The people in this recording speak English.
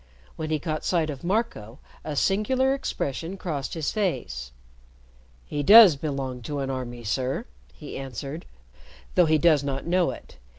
When he caught sight of Marco, a singular expression crossed his face. "He does belong to an army, sir," he answered, "though he does not know it.